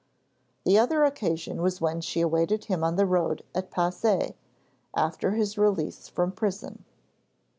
The other occasion was when she awaited him on the road at Passy, after his release from prison.